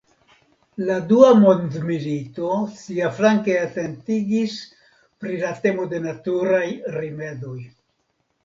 La Dua Mondmilito siaflanke atentigis pri la temo de naturaj rimedoj.